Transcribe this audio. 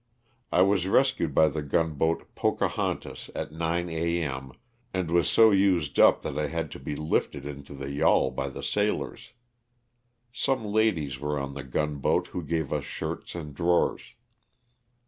I was rescued by the gunboat, ''Pocahontas/' at 9 a. m., and was so used up that I had to be lifted into the yawl by the sailors. Some ladies were on the gunboat who gave us shirts and drawers.